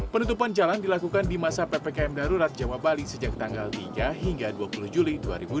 penutupan jalan dilakukan di masa ppkm darurat jawa bali sejak tanggal tiga hingga dua puluh juli dua ribu dua puluh